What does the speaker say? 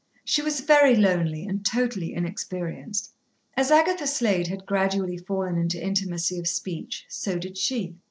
She was very lonely and totally inexperienced. As Agatha Slade had gradually fallen into intimacy of speech, so did she.